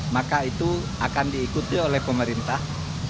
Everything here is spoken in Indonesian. maka itu akan diikuti oleh pemerintah